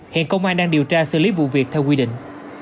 hiện công an đang điều tra xử lý vụ việc theo quy định